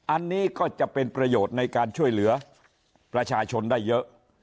อันนี้ก็จะเป็นประโยชน์ในการช่วยเหลือประชาชนได้เยอะ